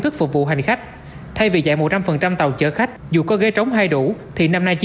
thức phục vụ hành khách thay vì dạy một trăm linh tàu chở khách dù có ghế trống hay đủ thì năm nay chỉ